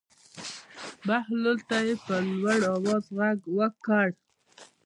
بهلول ته یې په لوړ آواز غږ وکړ.